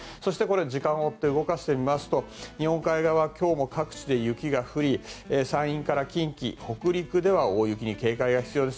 時間を追って動かしますと日本海側、今日も各地で雪が降り山陰から近畿北陸では大雪に警戒が必要です。